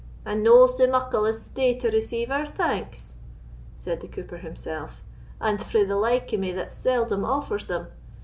"And no sae muckle as stay to receive our thanks," said the cooper himself, "and frae the like o' me that seldom offers them!